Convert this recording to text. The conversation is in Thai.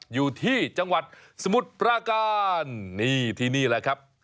อยู่ที่จังหวัดสมุทรปราการนี่ที่นี่แหละครับ